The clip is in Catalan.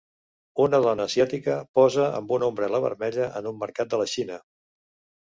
Una dona asiàtica posa amb una ombrel·la vermella en un mercat de la Xina.